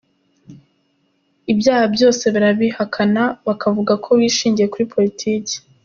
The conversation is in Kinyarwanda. Ibyaha byose barabihakana bakavuga ko bishingiye kuri politiki.